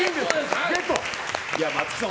松木さん